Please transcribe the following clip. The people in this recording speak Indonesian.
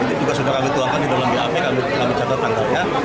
nanti juga sudah kami tuangkan di dalam bap kami catat tanggalnya